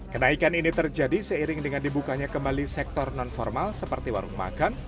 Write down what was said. kenaikan ini terjadi seiring dengan dibukanya kembali sektor non formal seperti warung makan